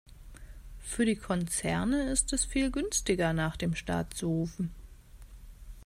Für die Konzerne ist es viel günstiger, nach dem Staat zu rufen.